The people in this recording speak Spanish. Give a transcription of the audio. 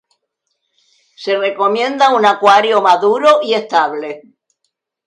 Se recomienda un acuario maduro y estable.